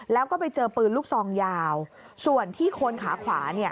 แล้วก็ไปเจอปืนลูกซองยาวส่วนที่โคนขาขวา